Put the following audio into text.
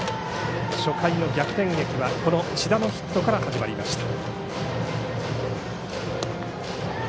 初回の逆転劇はこの千田のヒットから始まりました。